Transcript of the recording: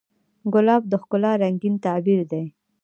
ګلاب د ښکلا رنګین تعبیر دی.